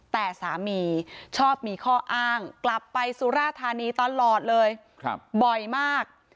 แต่สามีชอบมีข้ออ้างกลับไปสุราธานีตลอดเลยบ่อยมาก